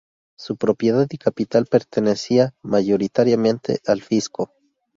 Su propiedad y capital pertenecía mayoritariamente al fisco.